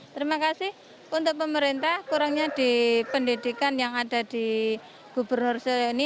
terima kasih untuk pemerintah kurangnya di pendidikan yang ada di gubernur saya ini